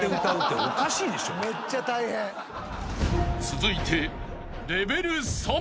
［続いて］